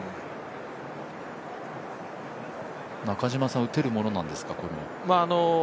中嶋さん、これ打てるものなんですか？